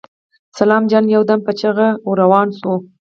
سلام جان يودم په چيغه ور روان شو.